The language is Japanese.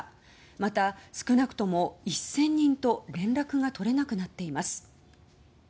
また、少なくとも１０００人と連絡が取れなくなっています。